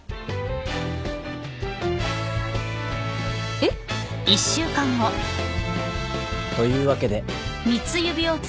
えっ？というわけで。